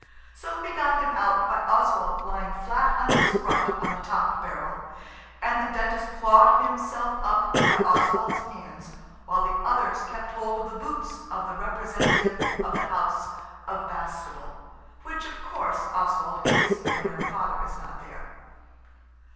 So we got him out by Oswald lying flat on his front on the top barrel, and the Dentist clawed himself up by Oswald's hands while the others kept hold of the boots of the representative of the house of Bastable, which, of course, Oswald is, whenever Father is not there.